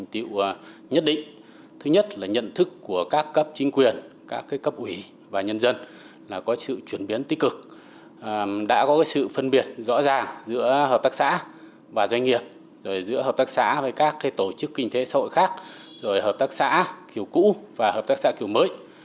thứ nhất là nhận thức của các cấp chính quyền các cấp ủy và nhân dân là có sự chuyển biến tích cực đã có sự phân biệt rõ ràng giữa hợp tác xã và doanh nghiệp rồi giữa hợp tác xã với các tổ chức kinh tế xã hội khác rồi hợp tác xã kiểu cũ và hợp tác xã kiểu mới